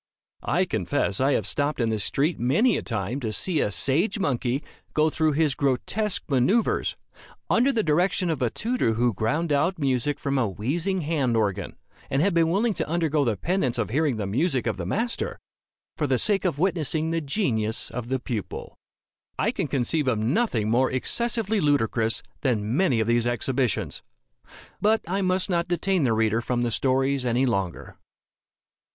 I confess I have stopped in the street, many a time, to see a sage monkey go through his grotesque manoeuvres, under the direction of a tutor who ground out music from a wheezing hand organ, and have been willing to undergo the penance of hearing the music of the master, for the sake of witnessing the genius of the pupil. I can conceive of nothing more excessively ludicrous than many of these exhibitions. But I must not detain the reader from the stories any longer.